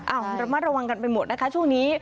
ระมัดระวังกันไปหมดนะคะช่วงนี้